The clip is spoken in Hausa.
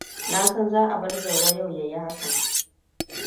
Na san za a bar Jauro yau ya yi hakan.